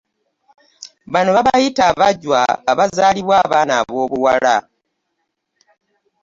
Bano babayita abajjwa abazaalibwa abaana aboobuwala.